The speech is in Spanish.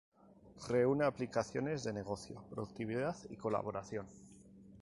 Reúne aplicaciones de negocio, productividad y colaboración.